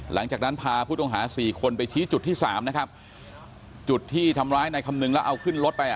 หลังจากนั้นพาผู้ต้องหาสี่คนไปชี้จุดที่สามนะครับจุดที่ทำร้ายนายคำนึงแล้วเอาขึ้นรถไปอ่ะ